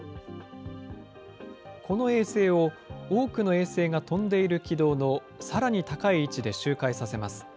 この衛星を、多くの衛星が飛んでいる軌道のさらに高い位置で周回させます。